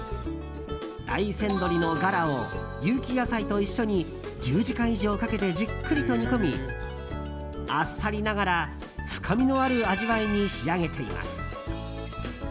大山鶏のガラを有機野菜と一緒に１０時間以上かけてじっくりと煮込みあっさりながら、深みのある味わいに仕上げています。